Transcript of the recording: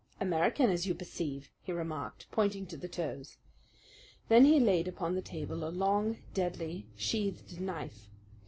"American, as you perceive," he remarked, pointing to the toes. Then he laid upon the table a long, deadly, sheathed knife.